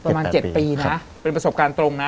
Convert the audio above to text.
ประมาณ๗ปีนะเป็นประสบการณ์ตรงนะ